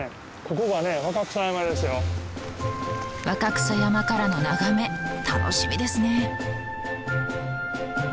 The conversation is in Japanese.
若草山からの眺め楽しみですね。